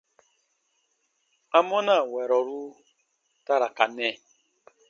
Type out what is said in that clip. Amɔna wɛrɔru ta ra ka nɛ?